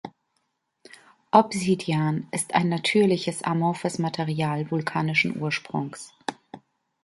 Obsidian ist ein natürliches amorphes Material vulkanischen Ursprungs.